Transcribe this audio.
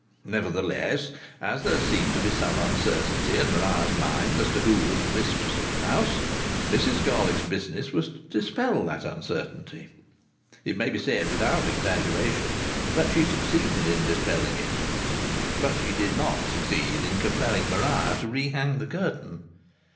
Nevertheless, as there seemed to be some uncertainty in Maria's mind as to who was the mistress of the house, Mrs Garlick's business was to dispel that uncertainty. It may be said without exaggeration that she succeeded in dispelling it. But she did not succeed in compelling Maria to re hang the curtain.